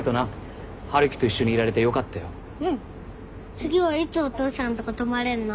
次はいつお父さんのとこ泊まれんの？